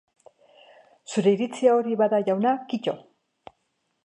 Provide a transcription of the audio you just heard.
Zure iritzia hori bada, jauna, kito.